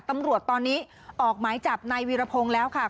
ตำรวจตอนนี้ออกหมายจับนายวีรพงศ์แล้วค่ะ